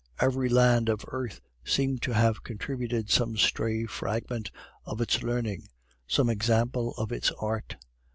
Every land of earth seemed to have contributed some stray fragment of its learning, some example of its art.